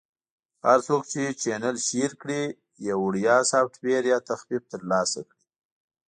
- هر څوک چې چینل Share کړي، یو وړیا سافټویر یا تخفیف ترلاسه کړي.